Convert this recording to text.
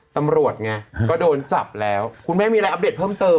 ตำรวจไงก็โดนจับแล้วคุณแม่มีอะไรอัปเดตเพิ่มเติม